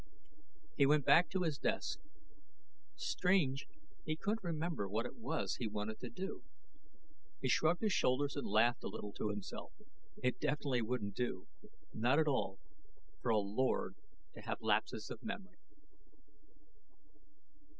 He went back to his desk. Strange, he couldn't remember what it was he had wanted to do. He shrugged his shoulders and laughed a little to himself. It definitely wouldn't do not at all for a Lord to have lapses of memory.